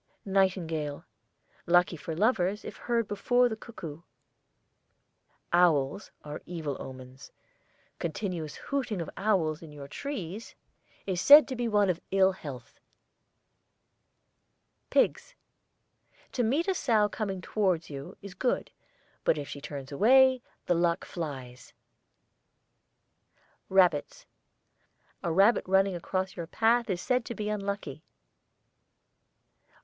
NIGHTINGALE. Lucky for lovers if heard before the cuckoo. OWLS are evil omens. Continuous hooting of owls in your trees is said to be one of ill health. PIGS. To meet a sow coming towards you is good; but if she turns away, the luck flies. RABBITS. A rabbit running across your path is said to be unlucky.